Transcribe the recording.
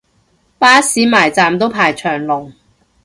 巴士埋站都排長龍